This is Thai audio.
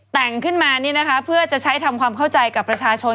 แต่งขึ้นมานี่นะคะเพื่อจะใช้ทำความเข้าใจกับประชาชน